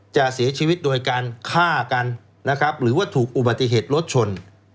จะเสียชีวิตโดยการฆ่ากันหรือว่าถูกอุบัติเหตุรถชน